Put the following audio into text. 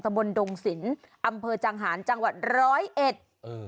ตะบลดงสินอำเภอจังหารจังหวัดร้อยเอ็ดอืม